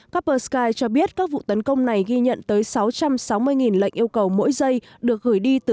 caper sky cho biết các vụ tấn công này ghi nhận tới sáu trăm sáu mươi lệnh yêu cầu mỗi giây được gửi đi từ